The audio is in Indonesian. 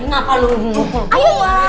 kenapa lu ngumpul keluar